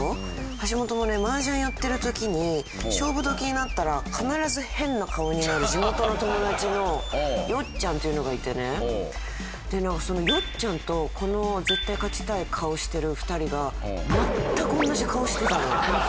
ハシモトもね麻雀やってる時に勝負どきになったら必ず変な顔になる地元の友達のよっちゃんっていうのがいてねでなんかそのよっちゃんとこの絶対勝ちたい顔してる２人が全く同じ顔してたの。